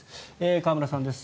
河村さんです。